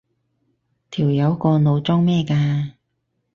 條友個腦裝咩㗎？